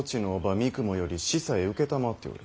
三雲より子細承っておる。